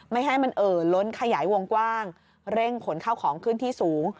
ไม่ให้มันเอ่อล้นขยายวงกว้างเร่งขนเข้าของขึ้นที่สูง